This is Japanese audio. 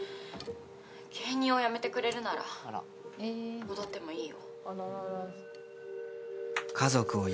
芸人をやめてくれるなら戻ってもいいよ。